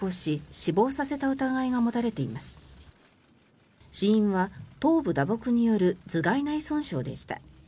死因は頭部打撲による頭がい内損傷でした。